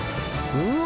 うわ！